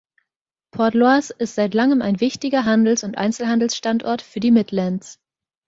Portlaoise ist seit langem ein wichtiger Handels- und Einzelhandelsstandort für die Midlands.